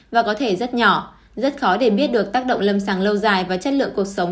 và có thể rất nhỏ rất khó để biết được tác động lâm sàng lâu dài và chất lượng cuộc sống